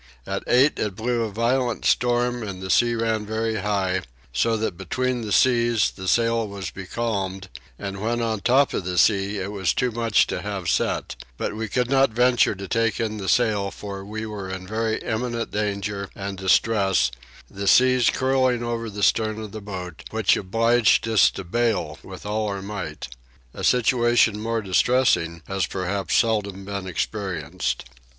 At eight it blew a violent storm and the sea ran very high, so that between the seas the sail was becalmed, and when on the top of the sea it was too much to have set: but we could not venture to take in the sail for we were in very imminent danger and distress, the sea curling over the stern of the boat, which obliged us to bale with all our might. A situation more distressing has perhaps seldom been experienced.